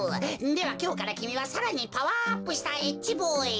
ではきょうからきみはさらにパワーアップしたＨボーイ